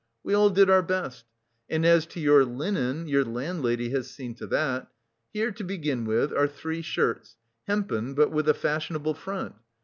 We all did our best. And as to your linen, your landlady has seen to that. Here, to begin with are three shirts, hempen but with a fashionable front....